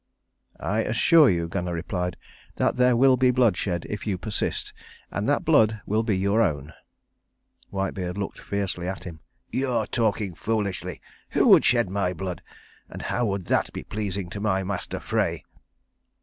"I assure you," Gunnar replied, "that there will be bloodshed if you persist, and that blood will be your own." Whitebeard looked fiercely at him. "You are talking foolishly. Who would shed my blood? And how would that be pleasing to my master Frey?"